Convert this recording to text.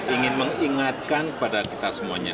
ingin mengingatkan kepada kita semuanya